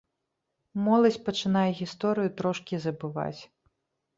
Моладзь пачынае гісторыю трошкі забываць.